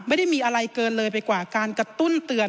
ไม่ได้มีอะไรเกินเลยไปกว่าการกระตุ้นเตือน